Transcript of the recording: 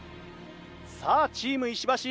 さあチーム石橋。